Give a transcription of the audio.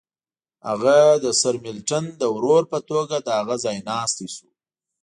هغه د سرمیلټن د ورور په توګه د هغه ځایناستی شو.